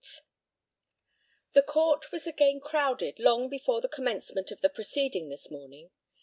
The Court was again crowded long before the commencement of the proceedings this morning.